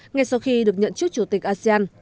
ngay sau khi được nhận chức chủ tịch asean